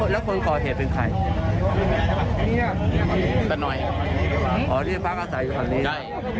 แล้วคนก่อเหตุเป็นใครแต่น้อยอ๋อนี่พระอาศัยอยู่ข้างนี้ใช่